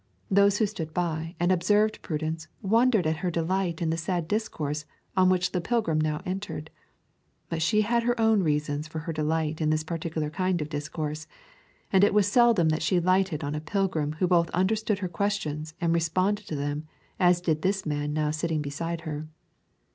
Those who stood by and observed Prudence wondered at her delight in the sad discourse on which the pilgrim now entered. But she had her own reasons for her delight in this particular kind of discourse, and it was seldom that she lighted on a pilgrim who both understood her questions and responded to them as did this man now sitting beside her.